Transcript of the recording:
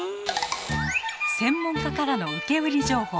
専門家からの受け売り情報。